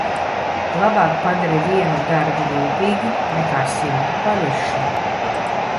Labāk padari vienu darbu rūpīgi nekā simtu pavirši.